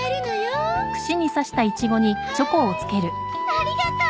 ありがとう。